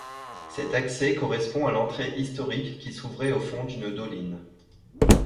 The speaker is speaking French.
Cet accès correspond à l'entrée historique qui s'ouvrait au fond d'une doline.